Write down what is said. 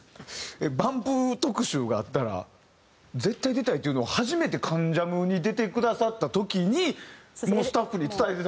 ＢＵＭＰ特集があったら絶対出たいっていうのを初めて『関ジャム』に出てくださった時にもうスタッフに伝えてた。